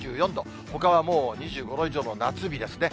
ほかはもう２５度以上の夏日ですね。